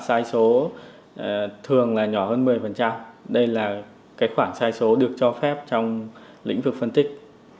kết quả sai số thường là nhỏ hơn một mươi đây là khoảng sai số được cho phép trong lĩnh vực phân tích